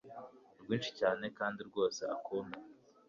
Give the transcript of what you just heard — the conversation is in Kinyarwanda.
rwinshi cyane kandi rwose akunda